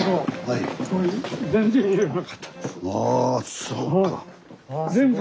あそうか。